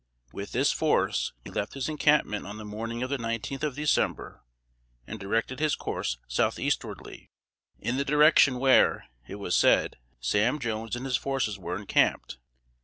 With this force, he left his encampment on the morning of the nineteenth of December, and directed his coarse southeastwardly in the direction where, it was said, Sam Jones and his forces were encamped.